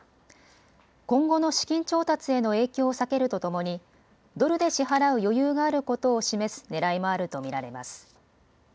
今後の資金調達への影響を避けるとともにドルで支払う余裕があることを示すねらいもあると見られます。